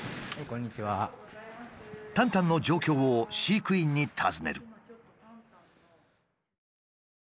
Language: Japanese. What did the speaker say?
タンタンの状況を飼育員に尋ねる。